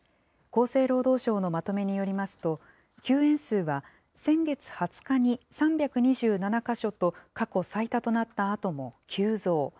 厚生労働省のまとめによりますと、休園数は先月２０日に３２７か所と、過去最多となったあとも急増。